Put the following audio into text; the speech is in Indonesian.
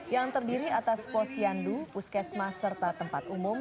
yang terdiri atas posyandu puskesmas serta tempat umum